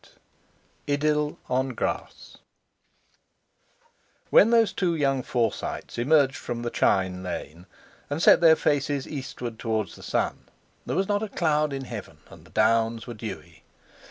—IDYLL ON GRASS When those two young Forsytes emerged from the chine lane, and set their faces east toward the sun, there was not a cloud in heaven, and the Downs were dewy.